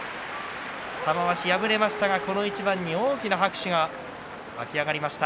玉鷲敗れましたが、この一番に大きな拍手が沸き上がりました。